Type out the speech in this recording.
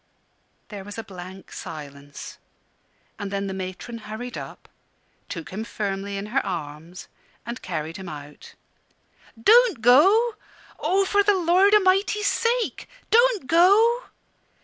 There was a blank silence, and then the matron hurried up, took him firmly in her arms, and carried him out. "Don't go oh, for the Lord A'mighty's sake, don't go!"